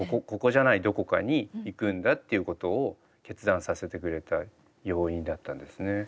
ここじゃないどこかに行くんだっていうことを決断させてくれた要因だったんですね。